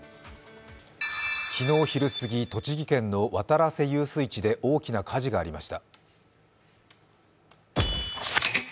昨日昼すぎ、栃木県の渡良瀬遊水地で大きな火事がありました。